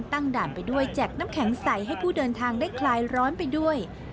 ด่านไปด้วยแจกน้ำแข็งใสให้ผู้เดินทางได้คลายร้อนไปด้วย